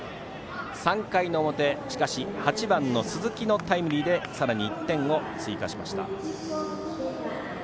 ３回表、しかし８番の鈴木のタイムリーでさらに１点を追加しました。